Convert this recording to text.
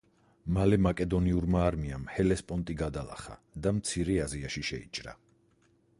მალე მაკედონურმა არმიამ ჰელესპონტი გადალახა და მცირე აზიაში შეიჭრა.